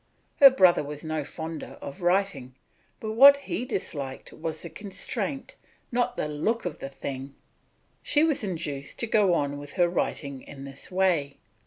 Her brother was no fonder of writing, but what he disliked was the constraint, not the look of the thing. She was induced to go on with her writing in this way.